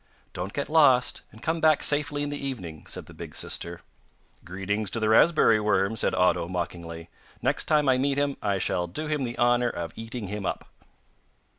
'Don't get lost, and come back safely in the evening,' said the big sister. 'Greetings to the raspberry worm,' said Otto, mockingly. 'Next time I meet him I shall do him the honour of eating him up.